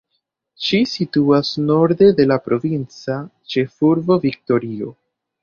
Ĝi situas norde de la provinca ĉefurbo Viktorio.